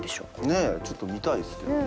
ねえちょっと見たいっすけどね。